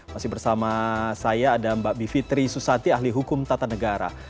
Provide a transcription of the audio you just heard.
masih bersama saya ada mbak bivitri susati ahli hukum tata negara